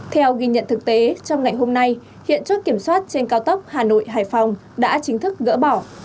theo ghi nhận thực tế trong ngày hôm nay hiện chốt kiểm soát trên cao tốc hà nội hải phòng đã chính thức gỡ bỏ